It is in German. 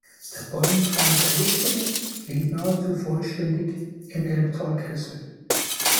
Der Ballungsraum Dresden liegt nahezu vollständig im Elbtalkessel.